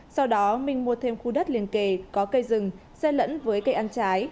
sau đó minh mua thêm khu đất liền kề có cây rừng xe lẫn với cây ăn trái